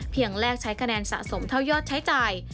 แรกใช้คะแนนสะสมเท่ายอดใช้จ่าย